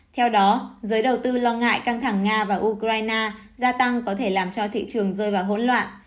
theo đó giới đầu tư lo ngại căng thẳng nga và ukraine gia tăng có thể làm cho thị trường rơi vào hỗn loạn